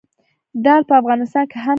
دال په افغانستان کې هم کرل کیږي.